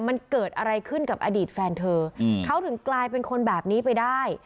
มันเกิดอะไรขึ้นกับอดีตแฟนเธอเขาถึงกลายเป็นคนแบบนี้ไปได้